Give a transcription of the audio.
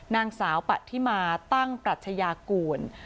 นางสาวปะทิมาตั้งปรัชญากูล